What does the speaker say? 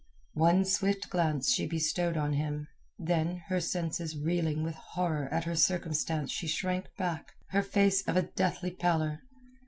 One swift glance she bestowed on him, then, her senses reeling with horror at her circumstance she shrank back, her face of a deathly pallor.